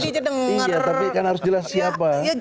iya tapi kan harus jelas siapa